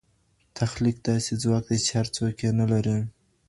تخلیق داسي ځواک دئ چي هر څوک یې نه لري.